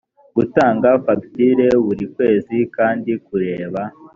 gutanga fagitire buri kwezi kandi kureba